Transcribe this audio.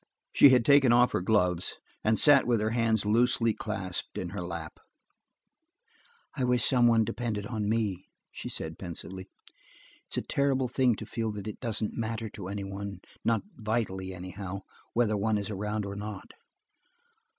She had taken off her gloves, and sat with her hands loosely clasped in her lap. "I wish someone depended on me," she said pensively. "It's a terrible thing to feel that it doesn't matter to anyone–not vitally, anyhow–whether one is around or not.